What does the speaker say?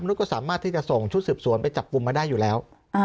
นุษย์ก็สามารถที่จะส่งชุดสืบสวนไปจับกลุ่มมาได้อยู่แล้ว